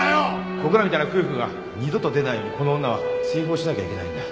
僕らみたいな夫婦が二度と出ないようにこの女は追放しなきゃいけないんだ。